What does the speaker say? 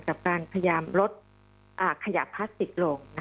กับการพยายามลดขยะพลาสติกลง